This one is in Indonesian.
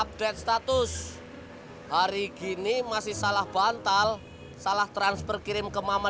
update status hari gini masih salah bantal salah transfer kirim ke mama